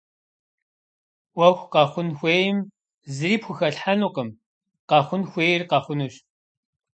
Ӏуэху къэхъун хуейм зыри пхухэлъхьэнукъым - къэхъун хуейр къэхъунущ.